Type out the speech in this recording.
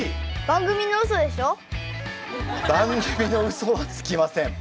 番組のウソはつきません。